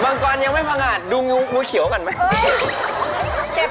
งกรยังไม่พังงาดดูงูเขียวก่อนไหม